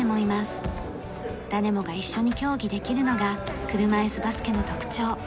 誰もが一緒に競技できるのが車いすバスケの特徴。